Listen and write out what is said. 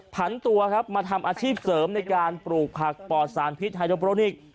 พันตัวครับมาทำอาชีพเสริมในการปลูกผักปอดสารพิษไฮโดโปรนิกส์